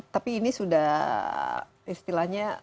tapi ini sudah istilahnya